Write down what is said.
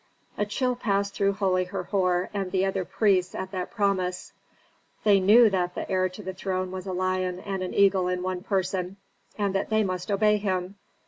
A chill passed through holy Herhor and the other priests at that promise. They knew that the heir to the throne was a lion and an eagle in one person, and that they must obey him.